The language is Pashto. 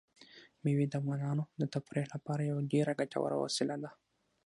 مېوې د افغانانو د تفریح لپاره یوه ډېره ګټوره وسیله ده.